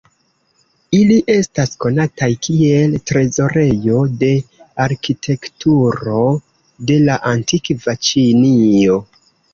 Ili estas konataj kiel trezorejo de arkitekturo de la antikva Ĉinio.